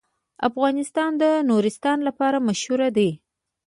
افغانستان د نورستان لپاره مشهور دی.